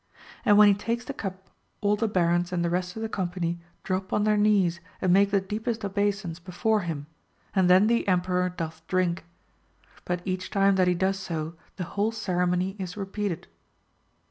And when he takes the cup all the Barons and the rest of the company drop on their knees and make the deepest obeisance before him, and then the Emperor doth drink. But each time that he does so the whole ceremony is repeated.